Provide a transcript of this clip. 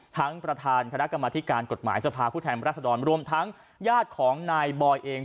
ประธานคณะกรรมธิการกฎหมายสภาพผู้แทนรัศดรรวมทั้งญาติของนายบอยเอง